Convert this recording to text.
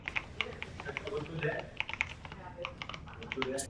Existují nařízení, standardy a normy pro předcházení haváriím.